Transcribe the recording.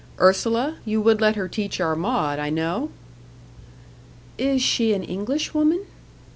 Ursula, you would let her teach our Maud, I know?" "Is she an Englishwoman?"